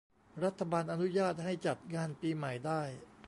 รัฐบาลอนุญาตให้จัดงานปีใหม่ได้